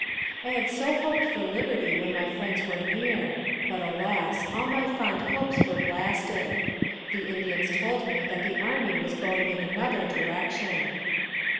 I had so hoped for liberty when my friends were near; but alas! all my fond hopes were blasted. The Indians told me that the army was going in another direction.